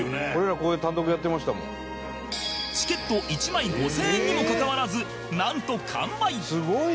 チケット１枚５０００円にもかかわらずなんと完売！